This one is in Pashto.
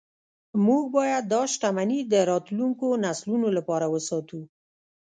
موږ باید دا شتمني د راتلونکو نسلونو لپاره وساتو